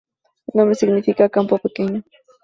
El nombre significa "campo pequeno".